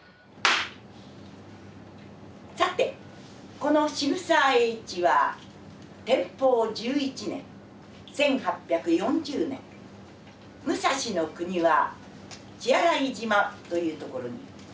さてこの渋沢栄一は天保１１年１８４０年武蔵国は血洗島というところに生まれました。